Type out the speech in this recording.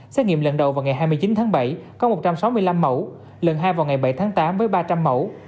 xét nghiệm lần đầu vào ngày hai mươi chín tháng bảy có một trăm sáu mươi năm mẫu lần hai vào ngày bảy tháng tám với ba trăm linh mẫu